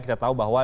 kita tahu bahwa